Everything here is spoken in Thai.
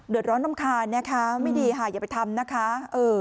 ร้อนรำคาญนะคะไม่ดีค่ะอย่าไปทำนะคะ